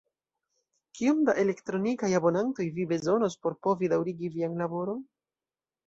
Kiom da elektronikaj abonantoj vi bezonos por povi daŭrigi vian laboron?